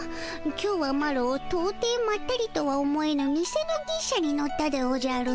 今日はマロとうていまったりとは思えぬにせの牛車に乗ったでおじゃる。